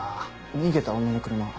逃げた女の車は？